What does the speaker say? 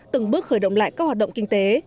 từng bước khởi động lại các hoạt động kinh tế